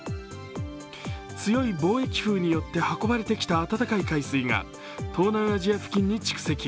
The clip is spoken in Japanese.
強い貿易風によって運ばれてきた温かい海水が東南アジア付近に蓄積。